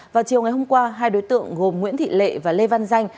vào chiều ngày hôm qua hai đối tượng gồm nguyễn thị lệ và lê văn danh